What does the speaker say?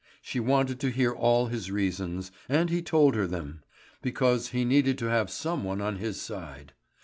She wanted to hear all his reasons, and he told her them, because he needed to have some one on his side.